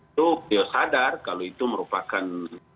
itu beliau sadar kalau itu merupakan